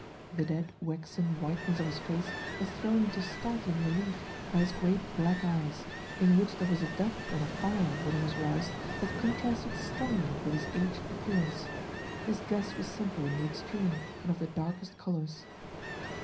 The dead waxen whiteness of his face was thrown into startling relief by his great black eyes, in which there was a depth and a fire when he was roused that contrasted strongly with his aged appearance. His dress was simple in the extreme, and of the darkest colors.